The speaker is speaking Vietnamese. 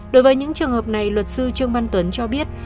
đối với những trường hợp này luật sư trương văn tuấn cho biết